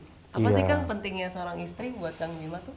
apa sih kang pentingnya seorang istri buat kang bima tuh